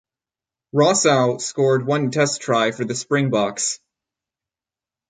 Rossouw scored one test try for the Springboks.